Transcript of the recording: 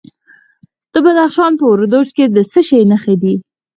د بدخشان په وردوج کې د څه شي نښې دي؟